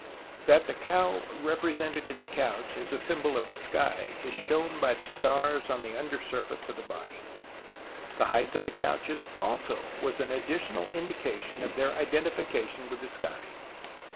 That the cow represented in the couch is a sj^mbol of the sky is shown by the stars on the under surface of the body. The height of the couches also was an additional indication of their identification witli the sky.